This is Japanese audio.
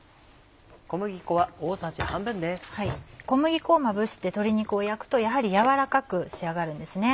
小麦粉をまぶして鶏肉を焼くとやはり軟らかく仕上がるんですね。